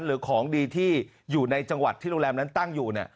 หรือของดีที่อยู่ในจังหวัดที่โรงแรมนั้นตั้งอยู่